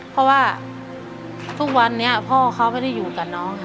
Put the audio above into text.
เพราะว่าทุกวันนี้พ่อเขาไม่ได้อยู่กับน้องค่ะ